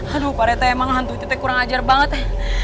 aduh parete emang hantu kita kurang ajar banget ya